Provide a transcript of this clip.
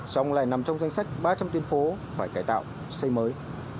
xong lại nằm trong danh sách ba trăm linh tuyên phố phải cải tạo xây mới